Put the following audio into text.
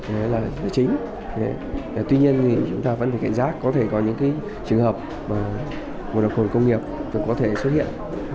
đó là chính tuy nhiên chúng ta vẫn phải cảnh giác có thể có những trường hợp mà mộ độc hồi công nghiệp có thể xuất hiện